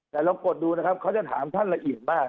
แต่ลองกดดูนะครับเขาจะถามท่านละเอียดมาก